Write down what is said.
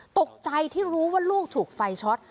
ตกใจที่รู้ว่าลูกถูกไฟช็อต